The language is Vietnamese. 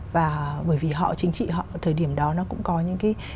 và bởi vì họ chính trị họ vào thời điểm đó nó cũng có những cái